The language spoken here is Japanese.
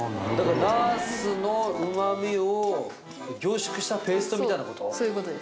だからナスのうまみを凝縮したペーストみたいな事？